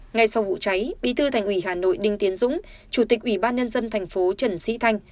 ngay sau vụ cháy bí thư thành ủy hà nội đinh tiến dũng chủ tịch ủy ban nhân dân thành phố trần sĩ thanh